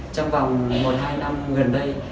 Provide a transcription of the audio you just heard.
trong vòng một hai năm gần đây